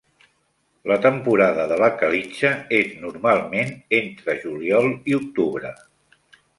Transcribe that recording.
La temporada de la calitja és normalment entre juliol i octubre.